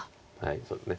そうですね。